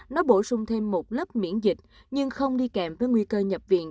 nó bổ sung thêm một lớp miễn dịch nhưng không đi kèm với nguy cơ nhập viện